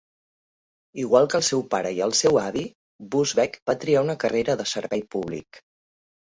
Igual que el seu pare i el seu avi, Busbecq va triar una carrera de servei públic.